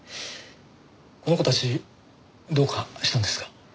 この子たちどうかしたんですか？